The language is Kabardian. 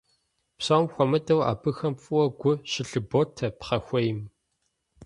Псом хуэмыдэу абыхэм фӀыуэ гу щылъыботэ пхъэхуейм.